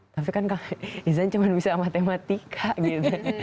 tapi kan izan cuma bisa matematika gitu